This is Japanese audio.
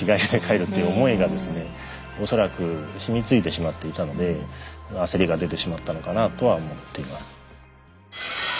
恐らくしみついてしまっていたので焦りが出てしまったのかなとは思っています。